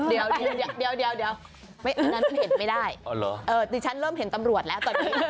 เดี๋ยวไม่อันนั้นเห็นไม่ได้เออตอนนี้ฉันเริ่มเห็นตำรวจแล้ว